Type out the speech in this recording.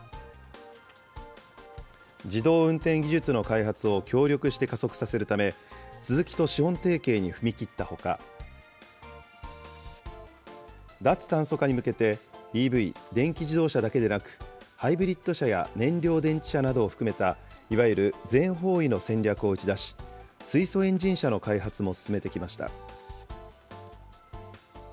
自動運転技術の開発を協力して加速させるため、スズキと資本提携に踏み切ったほか、脱炭素化に向けて、ＥＶ・電気自動車だけでなく、ハイブリッド車や燃料電池車などを含めたいわゆる全方位の戦略を打ち出し、水素エンジン車の開発も進めてきました。